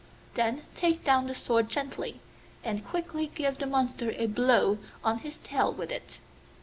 Then take down the sword gently, and quickly give the monster a blow on his tail with it.